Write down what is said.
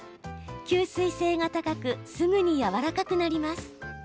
吸水性が高くすぐにやわらかくなります。